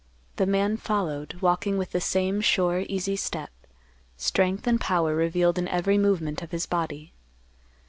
The man followed, walking with the same sure, easy step; strength and power revealed in every movement of his body.